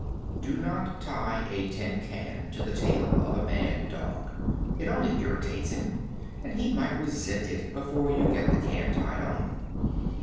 Do not tie a tin can to the tail of a mad dog. It only irritates him, and he might resent it before you get the can tied on.